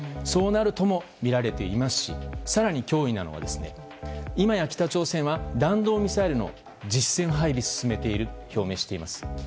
そうなるともみられていますし更に脅威なのが、今や北朝鮮は弾道ミサイルの実戦配備を進めていると表明しています。